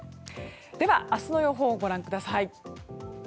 では、明日の予報をご覧ください。